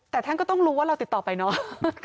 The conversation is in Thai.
แต่ท่านก็ต้องรู้ว่าเราติดต่อไปเนาะ